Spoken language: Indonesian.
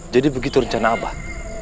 jadi begitu rencana abah